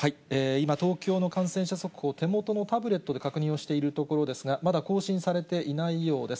今、東京の感染者速報、手元のタブレットで確認をしているところですが、まだ更新されていないようです。